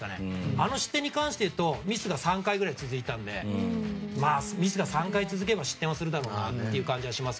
あの失点に関して言うとミスが３回くらい続いたのでまあ、ミスが３回続けば失点するだろうなって感じです。